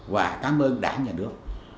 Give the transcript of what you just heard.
và cám ơn đảng nhà nước